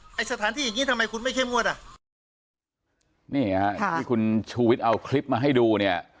ไอ้สถานที่อย่างงี้ทำไมคุณไม่เข้มงวดอ่ะนี่ฮะอย่างที่คุณชูวิทย์เอาคลิปมาให้ดูเนี่ย